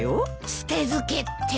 捨て漬けって？